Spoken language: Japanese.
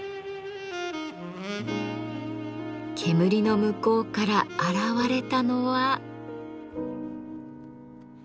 煙の向こうから現れたのは。